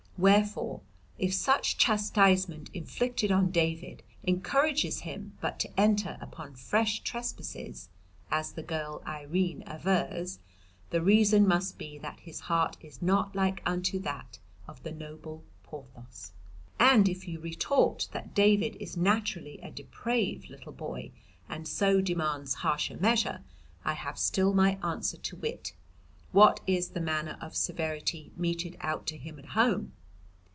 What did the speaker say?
Wherefore if such chastisement inflicted on David encourages him but to enter upon fresh trespasses (as the girl Irene avers), the reason must be that his heart is not like unto that of the noble Porthos. "And if you retort that David is naturally a depraved little boy, and so demands harsher measure, I have still my answer, to wit, what is the manner of severity meted out to him at home?